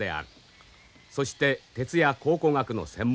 そして鉄や考古学の専門家たち。